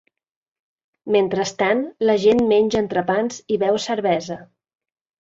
Mentrestant, la gent menja entrepans i beu cervesa.